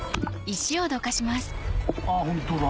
あホントだ。